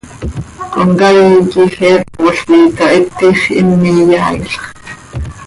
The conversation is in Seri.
Comcaii quij heepol coi itahitix, him iyaailx.